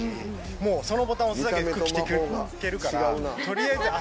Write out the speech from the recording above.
もうそのボタン押すだけで服着ていけるから。